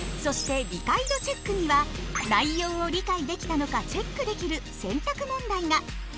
そして理解度チェックには内容を理解できたのかチェックできる選択問題が！